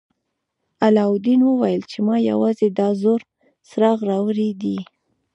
علاوالدین وویل چې ما یوازې دا زوړ څراغ راوړی دی.